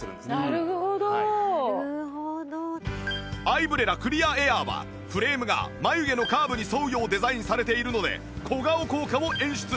アイブレラクリアエアーはフレームが眉毛のカーブに沿うようデザインされているので小顔効果を演出！